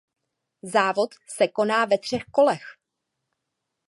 Závod se koná ve třech kolech.